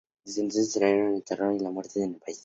Desde entonces traen el terror y la muerte en el país.